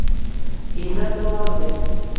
Iza doozi.